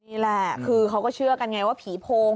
นี่แหละคือเขาก็เชื่อกันไงว่าผีโพง